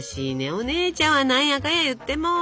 お姉ちゃんは何やかんやいっても。